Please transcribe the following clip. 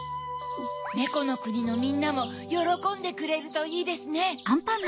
ねこのくにのみんなもよろこんでくれるといいですね。